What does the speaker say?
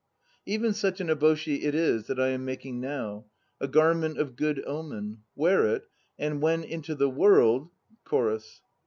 Even such an eboshi it is that I am making now, A garment of good omen. Wear it and when into the world CHORUS.